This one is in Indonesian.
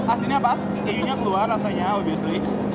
aslinya pas keyunya keluar rasanya obviously